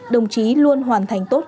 đồng chí luôn hoàn thành tốt